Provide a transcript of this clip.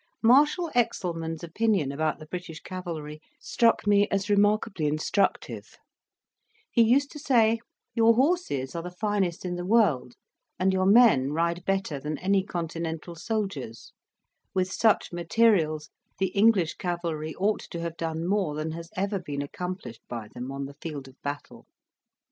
Marshal Excelmann's opinion about the British cavalry struck me as remarkably instructive: he used to say, "Your horses are the finest in the world, and your men ride better than any Continental soldiers; with such materials, the English cavalry ought to have done more than has ever been accomplished by them on the field of battle.